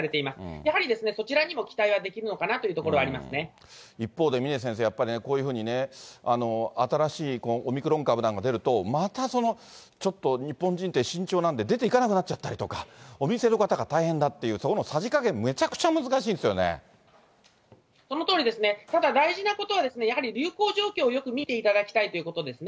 やはりそちらにも期待はできるの一方で峰先生、やっぱりね、こういうふうにね、新しいオミクロン株なんかが出ると、またちょっと、日本人って、慎重なんで、出ていかなくなっちゃったりとか、お店の方が大変だっていう、そこのさじ加減、めちゃくちゃ難しいそのとおりですね、ただ大事なことは、やはり流行状況をよく見ていただきたいということですね。